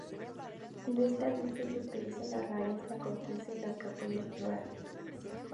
De este arbusto se utiliza la raíz, la corteza y los capullos florales.